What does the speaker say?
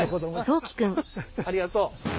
ありがとう。